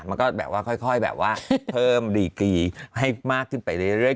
มันก็แบบว่าค่อยแบบว่าเพิ่มดีกีให้มากขึ้นไปเรื่อย